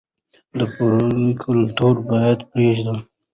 د پرديو کلتور بايد پرېږدو.